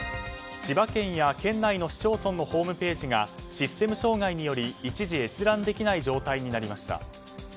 千葉県や県内の市町村のホームページがシステム障害により一時閲覧できない状態になりました。